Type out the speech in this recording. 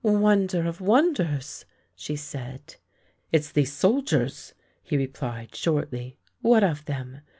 " Wonder of wonders! " she said. " It's these soldiers! " he replied shortly. " What of them?